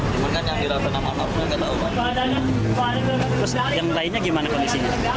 terus yang lainnya gimana kondisinya